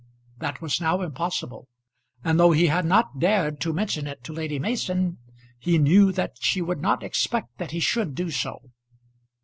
That was now impossible, and though he had not dared to mention it to Lady Mason, he knew that she would not expect that he should do so.